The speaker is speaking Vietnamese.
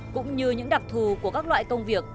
cũng như những đặc thù của các loại công việc